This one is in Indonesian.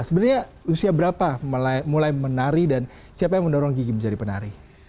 sebenarnya usia berapa mulai menari dan siapa yang mendorong gigi menjadi penari